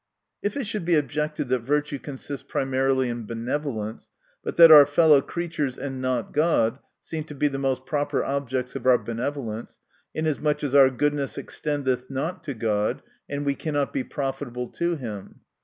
If it should be objected, that virtue consists primarily in benevolence, but that our fellow creatures, and not God, seem to be the most proper object of our benevolence ; inasmuch as our goodness extendeth not to God, and we cannot be profitable to him.